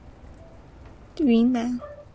治所在今云南昆明市西郊马街。